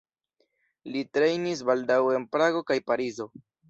Li trejnis baldaŭe en Prago kaj Parizo.